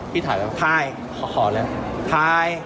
พี่ถ่ายอะไรครับถ่าย